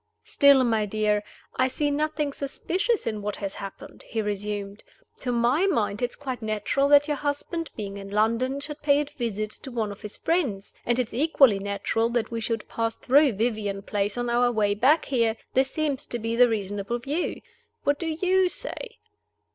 "Still, my dear, I see nothing suspicious in what has happened," he resumed. "To my mind it is quite natural that your husband, being in London, should pay a visit to one of his friends. And it's equally natural that we should pass through Vivian Place on our way back here. This seems to be the reasonable view. What do you say?"